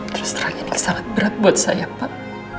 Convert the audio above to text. terus terang ini sangat berat buat saya pak